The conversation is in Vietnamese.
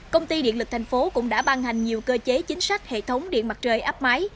công ty điện lực thành phố cũng đã ban hành nhiều cơ chế chính sách hệ thống điện mặt trời áp máy